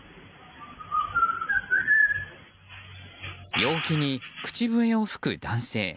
陽気に口笛を吹く男性。